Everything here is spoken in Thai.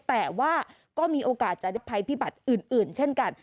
แต่ว่าก็มีโอกาสจะได้ภัยพิบัติอื่นเช่นกัน